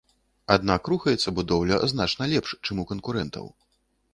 Аднак рухаецца будоўля значна лепш, чым у канкурэнтаў.